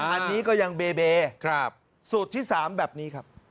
อันนี้ก็ยังเบเบสูตรที่๓แบบนี้ครับ